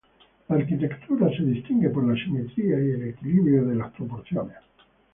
La arquitectura se distingue por la simetría y el equilibrio de las proporciones.